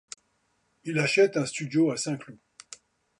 Il achète un studio à Saint-Cloud.